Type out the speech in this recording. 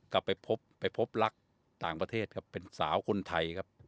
กลับไปพบไปพบรักต่างประเทศครับเป็นสาวคนไทยครับ